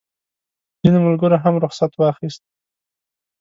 ځینو ملګرو هم رخصت واخیست.